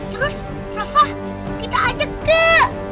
terus rafa kita aja gak